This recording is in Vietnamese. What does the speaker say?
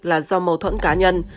là do mâu thuẫn cá nhân